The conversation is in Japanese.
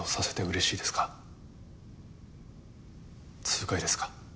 痛快ですか？